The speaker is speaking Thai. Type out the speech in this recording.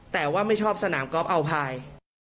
แต่ว่าไม่ชอบสนามกอล์ฟเอาไพร